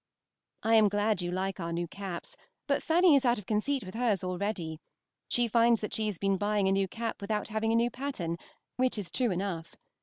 I am glad you like our caps, but Fanny is out of conceit with hers already; she finds that she has been buying a new cap without having a new pattern, which is true enough.